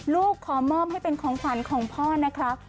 ขอมอบให้เป็นของขวัญของพ่อนะครับ